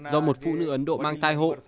do một phụ nữ ấn độ mang thai hộ